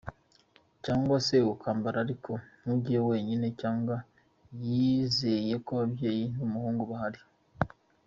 Cyangwa se akambare ariko ntajyeyo wenyine, cyangwa yizeye ko ababyeyi b’umuhungu bahari’’.